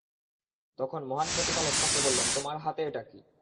তখন মহান প্রতিপালক তাঁকে বললেন - তোমার হাতে এটা কী?